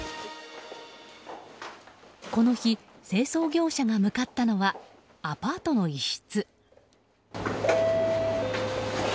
この日、清掃業者が向かったのはアパートの一室。